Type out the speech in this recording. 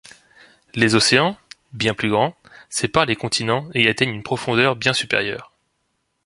Les océans, bien plus grands, séparent les continents et atteignent une profondeur bien supérieure.